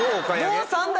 もう３台？